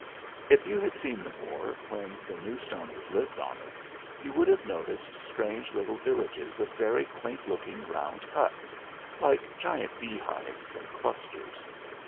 If you had seen the Moor when the New Stoners lived on it, you would have noticed strange little villages of very quaint looking round huts, like giant beehives in clusters.